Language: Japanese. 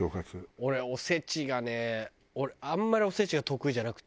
俺お節がね俺あんまりお節が得意じゃなくて。